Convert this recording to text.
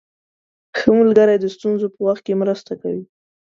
ښه ملګری د ستونزو په وخت کې مرسته کوي.